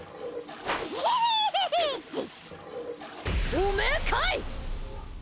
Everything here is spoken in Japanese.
おめーかい！